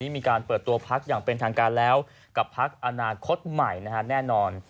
มีการเปิดตัวพักอย่างเป็นทางการแล้วกับพักอนาคตใหม่แน่นอน